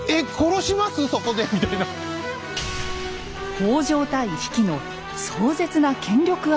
北条対比企の壮絶な権力争い。